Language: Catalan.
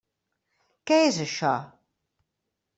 Què és això?